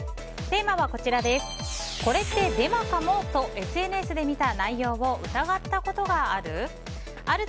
テーマはこれってデマかも？とＳＮＳで見た内容を疑ったことがある？